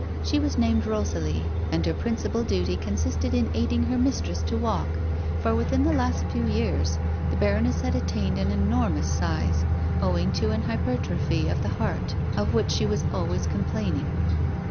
She was named Rosalie, and her principal duty consisted in aiding her mistress to walk, for, within the last few years, the baroness had attained an enormous size, owing to an hypertrophy of the heart, of which she was always complaining.